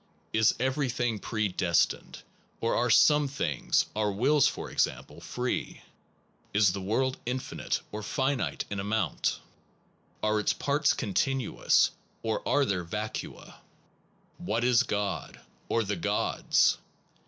Is everything predestined, or are some things (our wills for example) free? Is the world infinite or finite in amount? Are its parts continuous, or are there vacua? What is God? or the gods?